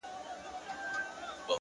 ستر بدلونونه له کوچنیو انتخابونو زېږي،